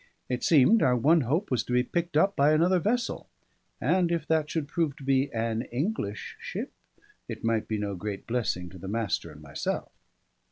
It seemed, our one hope was to be picked up by another vessel; and if that should prove to be an English ship, it might be no great blessing to the Master and myself.